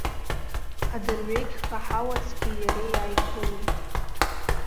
Адырҩегьх аҳауа цқьеи иареи ааиԥылеит.